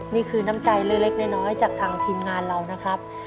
นี่คือน้ำใจเล็กน้อยจากทางทีมงานเรานะครับ